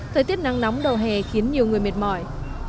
thời tiết nắng nóng đầu hè khiến nhiều người mệt mỏi